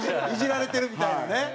イジられてるみたいなね。